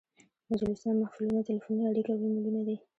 مجلسونه، محفلونه، تلیفوني اړیکې او ایمیلونه دي.